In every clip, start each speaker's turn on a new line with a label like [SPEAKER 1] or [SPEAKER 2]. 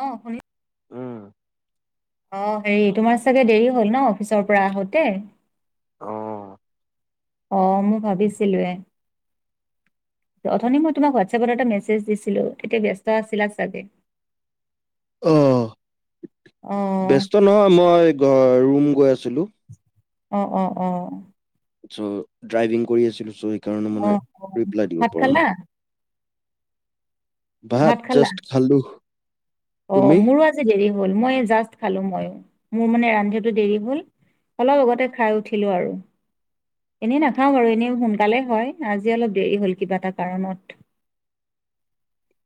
[SPEAKER 1] অ' শুনি
[SPEAKER 2] উম
[SPEAKER 1] অ' হেৰি তোমাৰ চাগে দেৰি হ'ল ন অফিচৰ পৰা আহোতে?
[SPEAKER 2] অ'।
[SPEAKER 1] অ মই ভাবিছিলোঁৱে। অথনি মই তোমাক হোৱাটছএপত এটা মেছেজ দিছিলো তেতিয়া ব্যস্ত আছিলা চাগে। [inaudible]
[SPEAKER 2] অঁ
[SPEAKER 1] অ
[SPEAKER 2] ব্যস্ত নহয় মই ঘ ৰুম গৈ আছিলোঁ।।
[SPEAKER 1] অ অ অ।
[SPEAKER 2] চ' ড্ৰাইভিং কৰি আছিলোঁ চ' সেইকাৰণে
[SPEAKER 1] অ
[SPEAKER 2] মানে
[SPEAKER 1] অ
[SPEAKER 2] ৰিপ্লাই দিব
[SPEAKER 1] ভাত
[SPEAKER 2] পৰা
[SPEAKER 1] খালা
[SPEAKER 2] নাই।
[SPEAKER 1] ভাত খালা
[SPEAKER 2] জাষ্ট খালো
[SPEAKER 1] অ
[SPEAKER 2] তুমি
[SPEAKER 1] মোৰো দেৰি হ'ল মই জাষ্ট খালো মই মোৰ মানে ৰান্ধাটো দেৰি হ'ল। অলপ আগতে খাই উঠিলো আৰু এনেই নাখাওঁ বাৰু এনেই সোনকালে হয় আজি অলপ দেৰি হ'ল কিবা এটা কাৰণত।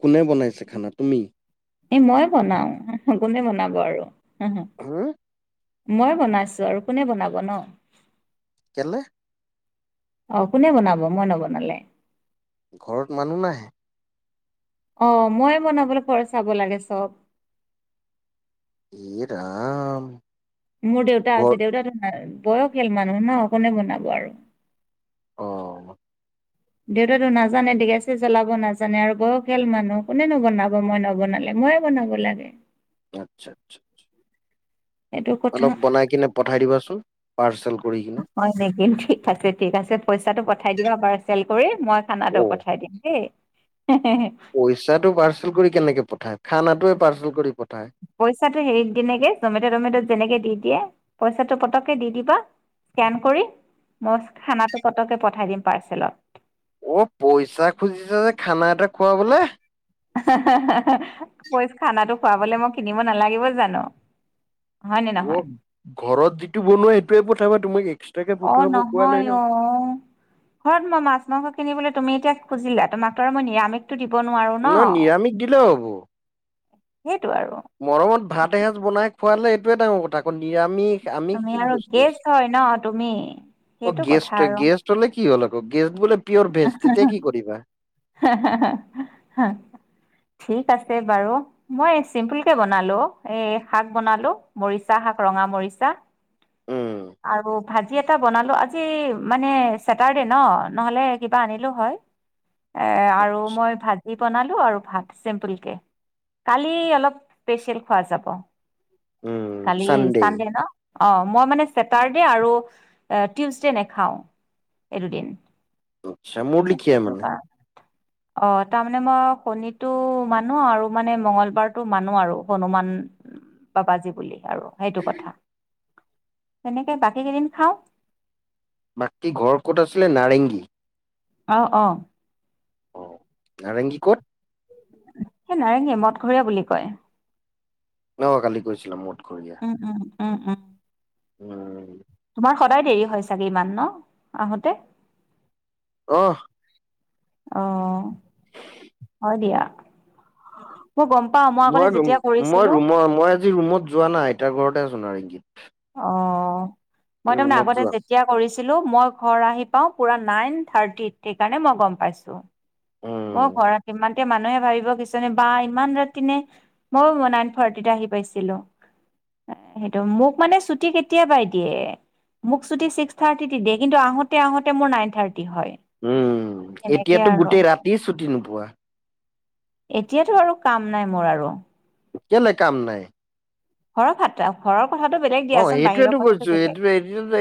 [SPEAKER 2] কোনে বনাইছে খানা তুমি?
[SPEAKER 1] এ মই বনাও কোনে বনাব আৰু হ হ।
[SPEAKER 2] হুম।
[SPEAKER 1] মই বনাইছো আৰু কোনে বনাব ন?
[SPEAKER 2] কেল?
[SPEAKER 1] অ কোনে বনাব মই নবনালে?
[SPEAKER 2] ঘৰত মানুহ নাই?
[SPEAKER 1] অ মইয়ে বনাবলৈ ঘৰ চাব লাগে চব।
[SPEAKER 2] এ ৰাম।
[SPEAKER 1] মোৰ দেউতা আছে
[SPEAKER 2] ঘৰত
[SPEAKER 1] দেউতা ন বয়সীয়াল মানুহ ন কোনে বনাব আৰু।
[SPEAKER 2] অ।
[SPEAKER 1] দেউতাটো নাজানে গেছে জ্বলাব নাজানে আৰু বয়সীয়াল মানুহ কোনেনো বনাব মই নবনালে ময়ে। বনাব লাগে।
[SPEAKER 2] আচ্ছা আচ্ছা।
[SPEAKER 1] সেইটো কথা
[SPEAKER 2] অলপ বনাই কিনে পঠাই দিবাচোন পাৰ্চেল কৰি কিনে।
[SPEAKER 1] হয় নেকি ঠিক আছে ঠিক আছে পইচাটো পঠাই দিয়ক বা। চেল কৰি মই খানাটো
[SPEAKER 2] অ
[SPEAKER 1] পঠাই দিম দেই হে হে।
[SPEAKER 2] পইচাটো পাৰ্চেল কৰি কেনেকে পঠায় খানাটোহে য়ে পাৰ্চেল কৰি পঠায়।
[SPEAKER 1] পইচাটো হেৰিত দিনেকে জমেট টমেট' যেনেকে দি দিয়ে পইচাটো পতককে দি দিব। স্কেন কৰি মই খানাটো পতককে পঠাই দিম পাৰ্চেলত।
[SPEAKER 2] অ' পইচা খুজিছা যে, খানা এটা খুৱাবলে।
[SPEAKER 1] পইচ খানাটো খুৱাবলে মই কিনিব নালাগিব জানো? হয় নে নহয়?
[SPEAKER 2] ৱ ঘৰত যিটো বনোৱা সেইটোয়ে পঠাবা তোমাক এক-
[SPEAKER 1] অ নহয় অও। ঘৰত মই মাছ মাংস কিনিবলে তুমি এতিয়া খুজিলা তোমাক তো আৰু মই নিৰামিষ- টো দিব নোৱাৰো ন,
[SPEAKER 2] নহয় নিৰামিষ দিলেও হ'ব।
[SPEAKER 1] সেইটোৱে আৰু।
[SPEAKER 2] মৰমত ভাত এসাঁজ বনাই খোৱালে এইটোৱে ডাঙৰ কথা, আকৌ নিৰামিষ- আমিষ
[SPEAKER 1] তুমি
[SPEAKER 2] কি
[SPEAKER 1] আৰু
[SPEAKER 2] বস্তু আছে।
[SPEAKER 1] গেষ্ট হয় ন তুমি।
[SPEAKER 2] অ
[SPEAKER 1] সেইটো কথা
[SPEAKER 2] গেষ্ট হয়
[SPEAKER 1] আৰু
[SPEAKER 2] গেষ্ট হলে কি হল আকৌ গেষ্ট বোলে পিঅ'ৰ ভেজ তেতিয়া কি কৰিবা?
[SPEAKER 1] হাঁ হাঁ হাঁ ঠিক আছে বাৰু। মই এই চিম্পুল কে বনালো এ শাক বনালো মৰিচা শাক ৰঙা মৰিচা।
[SPEAKER 2] উম
[SPEAKER 1] আৰু ভাজি এটা বনালো আজি মানে ছেটাৰডে ন নহ'লে কিবা আনিলো হয়। এ আৰু মই ভাজি- বনালো আৰু ভাত চিম্পুল কে, কালি অলপ স্পেচিয়েল খোৱা যাব। কালি চানডে ন, অঁ মই মানে- ছেটাৰডে আৰু টিউচডে নেখাওঁ, এই দুদিন।
[SPEAKER 2] আচ্ছা মোৰ
[SPEAKER 1] অ'
[SPEAKER 2] লিখিয়াই মানে।
[SPEAKER 1] সেনকা। অঁ' তাৰমানে মই শনিটো মানো আৰু মানে মংগলবাৰটো মানো আৰু হনুমান- বাবাজি বুলি আৰু সেইটো কথা। তেনেকে বাকী কেইদিন খাওঁ।
[SPEAKER 2] বাকী ঘৰ ক'ত আছিলে? নাৰেংগী।
[SPEAKER 1] অঁ অঁ।
[SPEAKER 2] অ' নাৰেংগীৰ কত?
[SPEAKER 1] এ নাৰেঙগী মদঘৰীয়া বুলি কয়।
[SPEAKER 2] অঁ কালি গৈছিলো মদ ঘৰীয়া।
[SPEAKER 1] উম' উম' উম' উম'
[SPEAKER 2] উম'
[SPEAKER 1] তোমাৰ সদায় দেৰি হয় চাগে ইমান ন, আহোঁতে।
[SPEAKER 2] অঁহ'
[SPEAKER 1] অঁঅ' সদিয়া। মই গম পাম।
[SPEAKER 2] মই ৰুম মই ৰুমৰ মই আজি ৰুমত যোৱা নাই আইতাৰ ঘৰতে আছো নাৰেংগীত।
[SPEAKER 1] অঁ মই তাৰমানে আগতে
[SPEAKER 2] যোৱা
[SPEAKER 1] যেত- তিয়া কৰিছিলোঁ মই ঘৰ আহি পাওঁ পুৰা নাইন থাৰ্টিত, সেইকাৰণে মই গম পাইছোঁ।
[SPEAKER 2] অঁ'
[SPEAKER 1] মই ঘৰত ইমান তে মানুহে ভাবিব কিছ নে বা ইমান ৰাতি নে? মইও ময় নাইন থাৰটিতে আহি পাইছিলো। অঁ' সেইটো, মোক মানে চুটি কেতিয়াবাই দিয়ে। মোক ছুটী ছিক্স থাৰ্টিতে দিয়ে, কিন্তু আহোঁতে আহোতে মোৰ নাইন থাৰ্টি হয়।
[SPEAKER 2] উম'
[SPEAKER 1] সেনেকে
[SPEAKER 2] এতিয়াতো
[SPEAKER 1] আৰু
[SPEAKER 2] গোটেই ৰাতি ছুটি নোপোৱা।
[SPEAKER 1] এতিয়াতো আৰু কাম নাই মোৰ আৰু।
[SPEAKER 2] কেলে কাম নাই?
[SPEAKER 1] অঁ' ফাত- তা ঘৰৰ কথাটো বেলেগ
[SPEAKER 2] অ
[SPEAKER 1] দিয়াচোন, বাহিৰৰ
[SPEAKER 2] সেইটোয়েতো
[SPEAKER 1] কথাটো
[SPEAKER 2] কৈছো
[SPEAKER 1] বেলেগ,
[SPEAKER 2] এইটো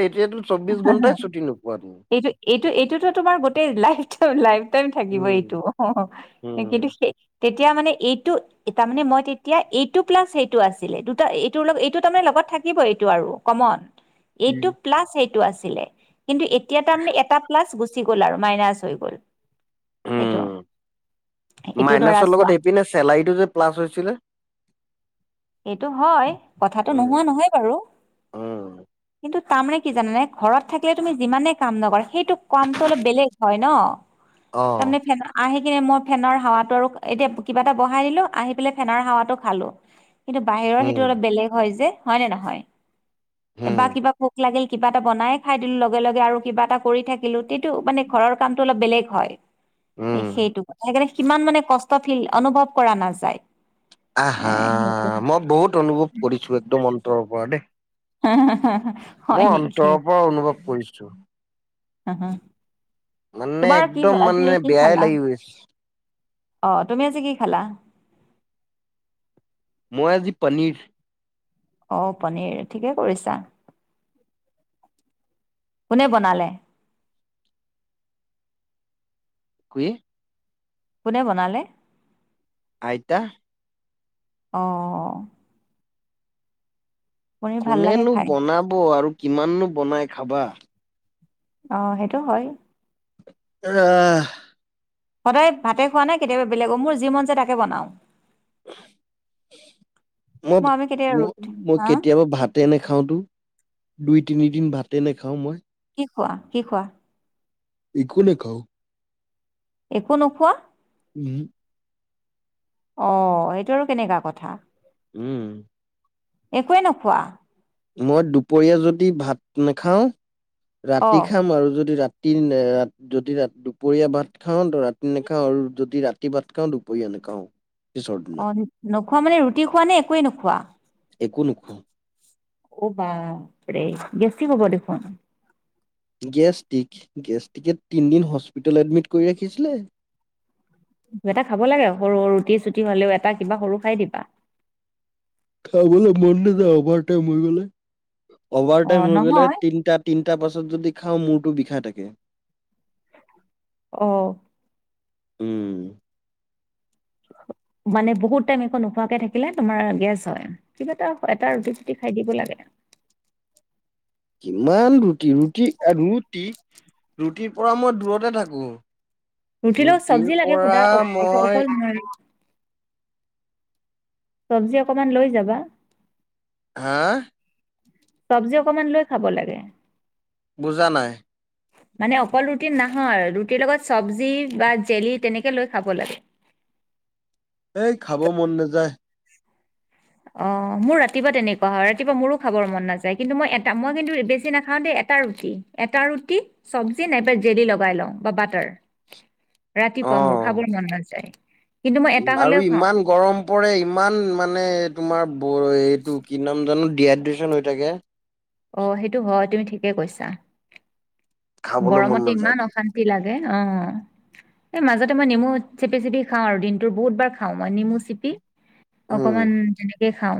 [SPEAKER 2] এতিয়াতো চৌবিশ ঘন্টাই ছুটি নোপোৱা তুমি
[SPEAKER 1] এইটোৱে- এইটো এইটোতো তোমাৰ গোটেই লাইফ টাই লাইফ টাইম থাকিব
[SPEAKER 2] উম
[SPEAKER 1] এইটো অ
[SPEAKER 2] উম
[SPEAKER 1] কিন্তু সেই তেতিয়া মানে এইটো তাৰ মানে মই তেতিয়া এইটো প্লাছ এইটো আছিলে এইটোৰ লগত তাৰ লগত থাকিব এইটো আৰু কমন এইটো প্লাছ সেইটো আছিলে। কিন্তু এতিয়া তাৰমানে এটা প্লাছ গুচি গ'ল আৰু মাইনাছ হৈ গ'ল। সেইটো
[SPEAKER 2] উম
[SPEAKER 1] এইটো ধৰা
[SPEAKER 2] মাইনাছৰ
[SPEAKER 1] চোৱা
[SPEAKER 2] লগত সেইপিনে চেলাৰীটো যে প্লাছ হৈছিলে।
[SPEAKER 1] সেইটো হয় কথাটো
[SPEAKER 2] উম
[SPEAKER 1] নোহোৱা নহয় বাৰু
[SPEAKER 2] উম
[SPEAKER 1] কিন্তু তাৰমানৰে কি জানে নাই ঘৰত থাকিলে তুমি যিমানে কাম নকৰে সেইটোক কামটো অলপ বেলেগ হয় ন
[SPEAKER 2] অ
[SPEAKER 1] তাৰমানে ফে আহি কিনে মই ফেনৰ হাৱাটো আৰু এতিয়া কিবা এটা বহাই দিলোঁ আহি পেলাই ফেনৰ হাৱাটো খালোঁ। কিন্তু বাহিৰৰ সেইটো
[SPEAKER 2] উম
[SPEAKER 1] অলপ বেলেগ হয় যে হয়নে নহয় বা
[SPEAKER 2] উম
[SPEAKER 1] কিবা ভোক লাগিল কিবা এটা বনাই খাই দিলো লগে লগে আৰু কিবা এটা কৰি থাকিলো সেইটো মানে ঘৰৰ কামটো অলপ বেলেগ হয়
[SPEAKER 2] উম
[SPEAKER 1] সেইটো সেইকাৰণে সিমান মানে কষ্ট ফিল অনুভৱ কৰা নাযায়
[SPEAKER 2] আহ
[SPEAKER 1] এ
[SPEAKER 2] হা
[SPEAKER 1] সেইটো
[SPEAKER 2] মই বহুত অনুভৱ কৰিছো একদম অন্তৰৰ পৰা দেই
[SPEAKER 1] হা হা হা হা
[SPEAKER 2] মই অন্তৰৰ পৰা অনুভৱ কৰিছোঁ।
[SPEAKER 1] অ হা
[SPEAKER 2] মানে
[SPEAKER 1] তোমাৰ কি
[SPEAKER 2] একদম
[SPEAKER 1] হলা
[SPEAKER 2] মানে
[SPEAKER 1] আজি কি
[SPEAKER 2] বেয়াই
[SPEAKER 1] খালা
[SPEAKER 2] লাগি গৈছে
[SPEAKER 1] অ তুমি আজি কি খালা?
[SPEAKER 2] মই আজি পনীৰ
[SPEAKER 1] অ পনীৰ ঠিকে কৰিছা কোনে বনালে?
[SPEAKER 2] [unintelligible]
[SPEAKER 1] কোনে বনালে?
[SPEAKER 2] আইতা
[SPEAKER 1] অঁ পনীৰ ভাল লাগে
[SPEAKER 2] কোনেনো
[SPEAKER 1] খাই
[SPEAKER 2] বনাব আৰু কিমাননো বনাই খাবা
[SPEAKER 1] অ সেইটো হয়
[SPEAKER 2] [inaudible]
[SPEAKER 1] সদায় ভাতে খোৱা নাই কেতিয়াবা বেলেগ অ মোৰ যি মন যায় তাকে বনাও। মই আমি কেতিয়াবা ৰুটি
[SPEAKER 2] মই
[SPEAKER 1] হা
[SPEAKER 2] কেতিয়াবা ভাত ভাতে নাখাওঁতো দুই তিনিদিন ভাতে নেখাওঁ মই
[SPEAKER 1] কি খোৱা কি খোৱা?
[SPEAKER 2] একো নেখাওঁ
[SPEAKER 1] একো নোখোৱা?
[SPEAKER 2] উম হম
[SPEAKER 1] অ সেইটো আৰু কেনেকা কথা-
[SPEAKER 2] উম
[SPEAKER 1] একোৱে নোখোৱা -
[SPEAKER 2] মই দুপৰীয়া যদি ভাত নাখাওঁ
[SPEAKER 1] অ
[SPEAKER 2] ৰাতি খাম আৰু যদি ৰা ৰাতি ৰা যদি দুপৰীয়া ভাত খাওঁ ৰাতি নাখাওঁ আৰু যদি ৰাতি ভাত খাওঁ দু কি এনেকুৱা অ-
[SPEAKER 1] অ নোখোৱা মানে ৰুটি খোৱা নে একোৱে নোখোৱা?
[SPEAKER 2] একো নেখাওঁ
[SPEAKER 1] অ' বাপৰে গেছট্ৰিক হ'ব দেখোন।
[SPEAKER 2] গেষ্টিক গেষ্টিকে তিনদিন হস্পিটেলত এডমিট কৰি ৰাখিছিলোঁ।
[SPEAKER 1] কিবা এটা খাব লাগে সৰু ৰুটি চুটি হলেও এটা কিবা সৰু খাই দিবা।
[SPEAKER 2] খাবলৈ মন নাযায় অভাৰ টাইম হৈ গলে অভাৰ
[SPEAKER 1] অ
[SPEAKER 2] টাইম হৈ গলে
[SPEAKER 1] নহয়
[SPEAKER 2] তিনটাত তিনিটা পাছত যদি খাওঁ মূৰটো বিষাই থাকে।
[SPEAKER 1] অ।
[SPEAKER 2] উম।
[SPEAKER 1] মানে বহুত টাইম একো নোখোৱাকে থাকিলে তোমাৰ গেছ হয়। কিবা এটা ৰুটি -পুটি খাই দিব লাগে।
[SPEAKER 2] কিমান ৰুটি ৰুটি ৰুটি ৰুটিৰ পৰা মই দূৰতে থাকো। ৰুটিৰ পৰা মই
[SPEAKER 1] হয়। চব্জি অকমান লৈ যাবা।
[SPEAKER 2] হা।
[SPEAKER 1] চব্জি অকমান লৈ খাব লাগে।
[SPEAKER 2] বুজা নাই?
[SPEAKER 1] হয়। মানে অকল ৰুটি নহয় ৰুটিৰ লগত চব্জি বা জেলি তেনেকে লৈ খাব লাগে।
[SPEAKER 2] এই খাব মন নাযায়।
[SPEAKER 1] অ মোৰ ৰাতিপুৱা তেনেকুৱা হয় ৰাতিপুৱা মোৰো খাবৰ মন নাযায় কিন্তু মই এটা মই কিন্তু বেছি নাখাও দেই এটা ৰুটি। এটা ৰুটি চবজি নাইবা জেলি লগাই লওঁ বা বাটাৰ। ৰাতিপুৱা মোৰ
[SPEAKER 2] অ'।
[SPEAKER 1] খাবৈমন নাযায়। কিন্তু মই এটা হ'লেও
[SPEAKER 2] আৰু
[SPEAKER 1] খাওঁ
[SPEAKER 2] ইমান গৰম। পৰে ইমান মানে তোমাৰ এইটো কি নাম জানো ডিহাইড্ৰেচন হৈ থাকে।
[SPEAKER 1] অ হয় তুমি ঠিকে কৈছা।
[SPEAKER 2] খাবলৈ মন
[SPEAKER 1] গৰমতে
[SPEAKER 2] নাযায়।
[SPEAKER 1] ইমান অশান্ত বিলাকে অ এই মাজতে মই নেমু চেপি চেপি খাওঁ আৰু দিনতো বহুত বাৰ খাওঁ মই নেমু চিপি
[SPEAKER 2] উম,
[SPEAKER 1] অকমান এনেকে খাওঁ।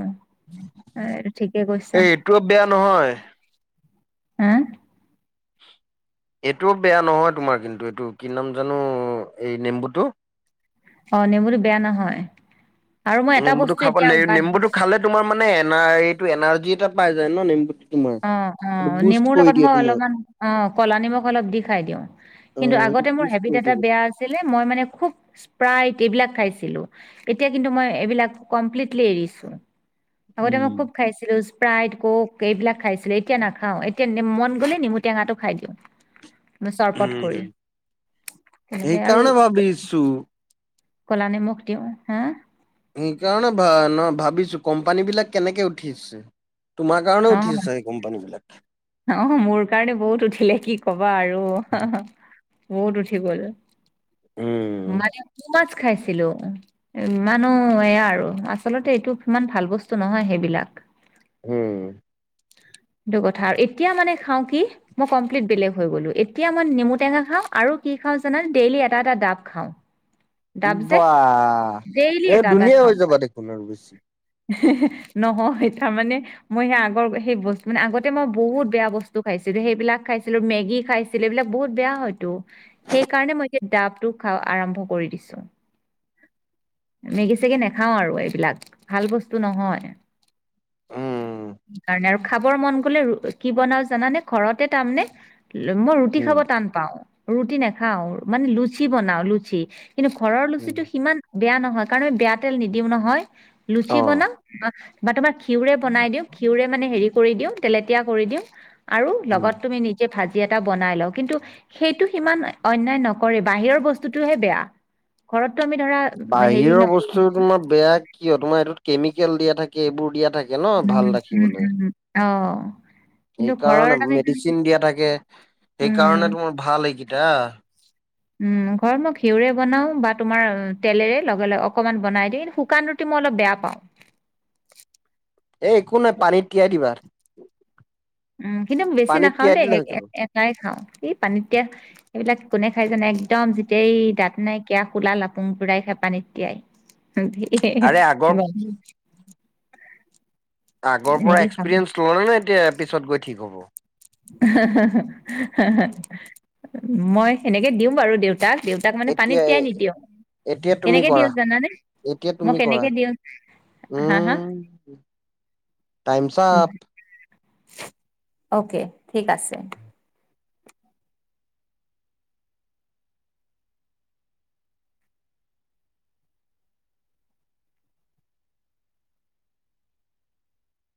[SPEAKER 1] অ এইটো ঠিকে কৈছা।
[SPEAKER 2] টো বেয়া নহয়।
[SPEAKER 1] হা।
[SPEAKER 2] এইটোও বেয়া নহয় তোমাৰ কিন্তু এইটো কি নাম জানো এই নেম্বুটো।
[SPEAKER 1] অ নেমুতো বেয়া নহয়। আৰু মই এটা
[SPEAKER 2] নেম্বুটো
[SPEAKER 1] বস্তু
[SPEAKER 2] খাব
[SPEAKER 1] এতিয়া বাদ
[SPEAKER 2] নেম্বুটো
[SPEAKER 1] দিছো
[SPEAKER 2] খালে তমাৰ মানে এনা এইটো এনাৰজি এটা পাই যায় ন নেম্বুটো। তোমাৰ।
[SPEAKER 1] অ অ
[SPEAKER 2] এইটো বুষ্ট
[SPEAKER 1] নেমুৰ
[SPEAKER 2] কৰি
[SPEAKER 1] লগত
[SPEAKER 2] দিয়ে
[SPEAKER 1] মই
[SPEAKER 2] তোমাৰ
[SPEAKER 1] অলপমান অ ক'লা নিমখ অলপ দি খাই দিওঁ।
[SPEAKER 2] অ
[SPEAKER 1] কিন্তু
[SPEAKER 2] এইটো
[SPEAKER 1] আগতে মোৰ
[SPEAKER 2] বুষ্ট
[SPEAKER 1] হেবিট
[SPEAKER 2] কৰি
[SPEAKER 1] এটা
[SPEAKER 2] দিয়ে বডি।
[SPEAKER 1] বেয়া আছিলে মই মানে খুব। প্ৰায় এইবিলাক খাইছিলো এতিয়া কিন্তু মই এইবিলাক কমপ্লিটলি এৰিছোঁ। আগতে মই
[SPEAKER 2] উম।
[SPEAKER 1] খুব খাইছিলো স্প্ৰাইট কক এইবিলাক খাইছিলো এতিয়া নাখাওঁ এতিয়া। মন গ'লে নিমুটেঙাটো খাই দিওঁ। চৰবত কৰি
[SPEAKER 2] উম
[SPEAKER 1] তেনেকে আৰু।
[SPEAKER 2] কিছু।
[SPEAKER 1] কলা নিমখ দিওঁ হা।
[SPEAKER 2] সেইকাৰণে ভা নহ ভাবিছোঁ কোম্পানী বিলাক কেনেকে উঠিছে তোমাৰ কাৰণে
[SPEAKER 1] অ',
[SPEAKER 2] উঠিছে। কোম্পানী বিলাক।
[SPEAKER 1] অ মোৰ কাৰণে বহুত উঠিলে কি কবা আৰু বহুত উঠি গ'ল।
[SPEAKER 2] উম।
[SPEAKER 1] মানে কি মাছ খাইছিলোঁ। ইমানো এয়া আৰু আচলতে এইটো ইমান ভাল বস্তু নহয় সেইবিলাক।
[SPEAKER 2] উম।
[SPEAKER 1] সেইটো কথা আৰু এতিয়া মানে খাওঁ কি মই কমপ্লিট বেলেগ হৈ গলোঁ এতিয়া মই নেমু টেঙা খাওঁ আৰু কি খাওঁ জানা ডেইলি এটা এটা ডাব খাওঁ
[SPEAKER 2] বাহ
[SPEAKER 1] তাৰপিছে দেইলি
[SPEAKER 2] এ
[SPEAKER 1] এটা এটা
[SPEAKER 2] ধুনীয়া
[SPEAKER 1] খাওঁ
[SPEAKER 2] হৈ যাবা দেখোন আৰু বেছি।
[SPEAKER 1] নহয় তাৰমানে মই সে আগৰ সেই বস্তু মানে আগতে মই বহুত বেয়া খাইছিলোঁ সেইবিলাক খাইছিলোঁ খাইছিলোঁ এইবিলাক বহুত বেয়া হয়তো সেইকাৰণে মই এতিয়া ডাবটো খাওঁ আৰম্ভ কৰি দিছো মেগী চেগী নাখাওঁ আৰু এইবিলাক ভাল বস্তু নহয়
[SPEAKER 2] উম
[SPEAKER 1] কাৰণে আৰু খাবৰ মন গ'লে কি বনাও জানানে ঘৰতে তাৰ মানে মই ৰুটি
[SPEAKER 2] উম
[SPEAKER 1] খাব টান পাও ৰুটি নাখাও মানে লুচি বনাওঁ লুচি কিন্তু ঘৰৰ
[SPEAKER 2] উম
[SPEAKER 1] লুচিটো সিমান বেয়া নহয় কাৰণ আমি বেয়া তেল নিদিও নহয় লুচি
[SPEAKER 2] অ।
[SPEAKER 1] বনাম অ বা তোমাৰ ঘিউৰে বনাই দিওঁ ঘিউৰে মানে হেৰি কৰি দিওঁ তেলেতীয়া কৰি দিওঁ আৰু
[SPEAKER 2] উম।
[SPEAKER 1] লগত তুমি নিজে ভাজি এটা বনাই লওঁ কিন্তু সেইটো সিমান অন্যায় নকৰে বাহিৰৰ বস্তুটো হে বেয়া ঘৰতটো আমি ধৰা হেৰি
[SPEAKER 2] বাহিৰৰ
[SPEAKER 1] নকৰো
[SPEAKER 2] বস্তু তোমাৰ বেয়া কিয় তোমাৰ এইটোত কেমিকেল দিয়া থাকে এইবোৰ দিয়া থাকে ন
[SPEAKER 1] উম
[SPEAKER 2] ভাল
[SPEAKER 1] উম
[SPEAKER 2] ৰাখিবলৈ
[SPEAKER 1] উম অ কিন্তু ঘৰৰ
[SPEAKER 2] সেইকাৰণে
[SPEAKER 1] তাৰমানে
[SPEAKER 2] মেডিচিন দিয়া থাকে
[SPEAKER 1] উম
[SPEAKER 2] সেইকাৰণে তোমাৰ ভাল এইকেইটা
[SPEAKER 1] উম ঘৰত মই ঘিউৰে বনাও বা তোমাৰ তেলেৰে লগে লগে অকমান বনাই দি কিন্তু শুকান ৰুট ৰুটি অলপ বেয়া পাওঁ
[SPEAKER 2] এ একো নাই পানীত তিয়াই দিবা
[SPEAKER 1] উম কিন্তু বেছি
[SPEAKER 2] পানীত
[SPEAKER 1] নাখাওঁ
[SPEAKER 2] তিয়াই
[SPEAKER 1] দেই
[SPEAKER 2] দিলে হৈ যাব
[SPEAKER 1] এটাই খাওঁ সেই পানীত তিয়া সেইবিলাক কোনে খাই জানে একদম যেতিয়াই দাঁত নাইকিয়া শোলা লাপুং গুৰাই খাই পানী তিয়াই
[SPEAKER 2] আৰে আগৰ
[SPEAKER 1] [unintelligible]
[SPEAKER 2] আগৰ পৰা
[SPEAKER 1] এনেকে খাওঁ
[SPEAKER 2] এক্সপিৰিয়েঞ্চ ল'লে নে এতিয়া পিছত গৈ ঠিক হ'ব
[SPEAKER 1] মই সেনেকে দিওঁ বাৰু দেউতাক দেউ তাক মানে পানীত
[SPEAKER 2] এতিয়া
[SPEAKER 1] তিয়াই নিদিওঁ
[SPEAKER 2] এতিয়া তুমি
[SPEAKER 1] কেনেকে
[SPEAKER 2] কৰা
[SPEAKER 1] দিওঁ যানানে
[SPEAKER 2] এতিয়া
[SPEAKER 1] মই
[SPEAKER 2] তুমি কৰা
[SPEAKER 1] কেনেকে দিওঁ হা হা
[SPEAKER 2] উম টাইমছ আপ
[SPEAKER 1] অক ঠিক আছে।